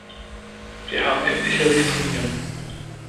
Wir haben etliche Richtlinien.